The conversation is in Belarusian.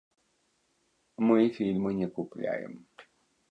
Мы фільмы не купляем.